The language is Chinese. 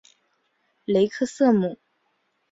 雷克瑟姆。